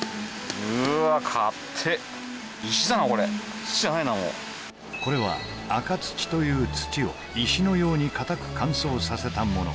もうこれは赤土という土を石のように硬く乾燥させたもの